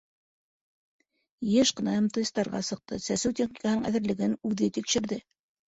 Йыш ҡына МТС-тарға сыҡты, сәсеү техникаһының әҙерлеген үҙе тикшерҙе.